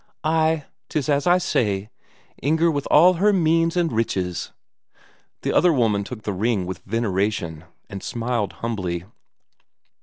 "Ay, 'tis as I say; Inger with all her means and riches." The other woman took the ring with veneration, and smiled humbly.